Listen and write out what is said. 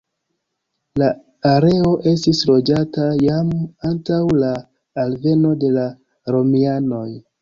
La areo estis loĝata jam antaŭ la alveno de la romianoj.